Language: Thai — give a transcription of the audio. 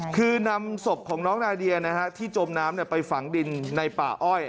คือนำศพของน้องนาเดียที่จมน้ำไปฝังดินในป่าอ้อย